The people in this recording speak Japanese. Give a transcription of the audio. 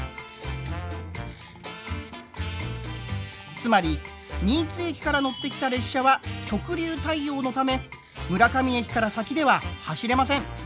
つまり新津駅から乗ってきた列車は直流対応のため村上駅から先では走れません。